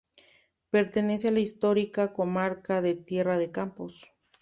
Pertenece a la histórica comarca de Tierra de Campos.